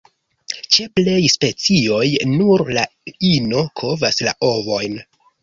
Ĉe plej specioj, nur la ino kovas la ovojn.